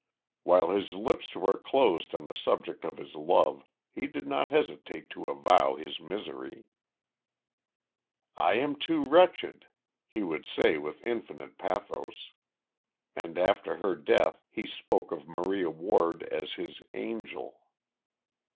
While his lips were closed on the subject of his love, he did not hesitate to avow his misery. "I too am wretched," he would say with infinite pathos; and after her death, he spoke of Maria Ward as his "angel."